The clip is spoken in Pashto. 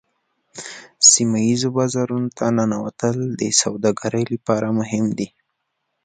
سیمه ایزو بازارونو ته ننوتل د سوداګرۍ لپاره مهم دي